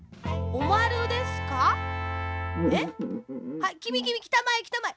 「はいきみきみきたまえきたまえ」。